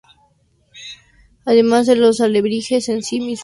Además de los alebrijes en sí mismos hay dos competencias literarias y una musical.